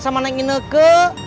sama neng ineke